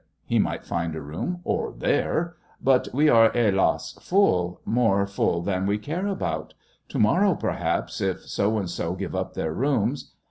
_" he might find a room, "or there! But we are, hélas full more full than we care about. To morrow, perhaps if So and So give up their rooms